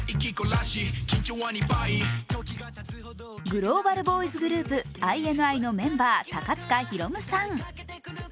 グローバルボーイズグループ、ＩＮＩの高塚大夢さん。